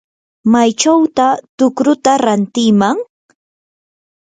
¿maychawtaq tukruta rantiman?